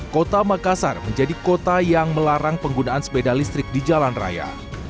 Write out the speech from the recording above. kota makassar menjadi kota yang melarang penggunaan sepeda listrik di jalan raya